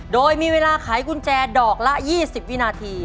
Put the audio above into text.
โดยมีเวลาขายกุญแจดอกละ๒๐วินาที